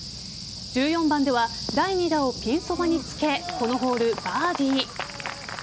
１４番では第２打をピンそばにつけこのホール、バーディー。